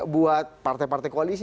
buat partai partai koalisi